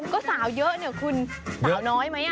ก็สาวเยอะเนี่ยคุณสาวน้อยไหม